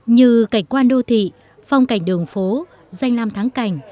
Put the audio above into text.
như cảnh quan đô thị phong cảnh đường phố danh lam thắng cảnh